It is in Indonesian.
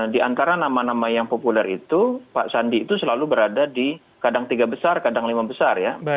di antara nama nama yang populer itu pak sandi itu selalu berada di kadang tiga besar kadang lima besar ya